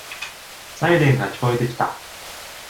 サイレンが聞こえてきた。